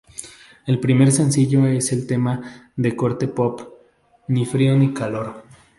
El primer sencillo es el tema de corte pop "Ni frío ni calor".